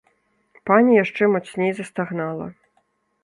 Пані яшчэ мацней застагнала.